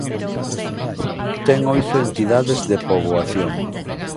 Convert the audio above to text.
Ten oito entidades de poboación.